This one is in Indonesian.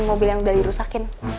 mau cari mobil yang udah dirusakin